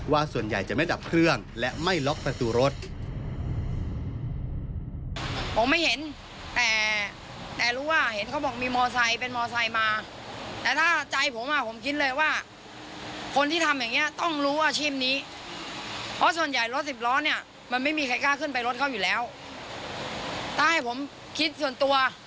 ส่วนใหญ่จะไม่ดับเครื่องและไม่ล็อกประตูรถ